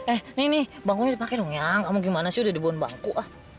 eh nih nih bangkunya dipake dong ya kamu gimana sih udah dibohon bangku